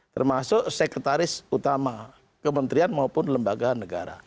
termasuk sekretaris utama kementerian maupun lembaga negara